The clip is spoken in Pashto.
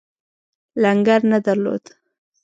لنګر نه درلود.